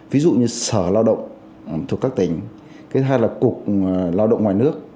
ví dụ như sở lao động thuộc các tỉnh hay là cục lao động ngoài nước